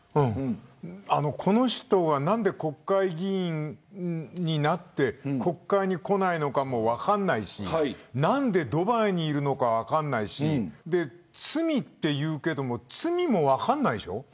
この人が何で国会議員になって国会に来ないのかも分からないし何でドバイにいるのか分からないし罪というけど罪も分からないでしょ。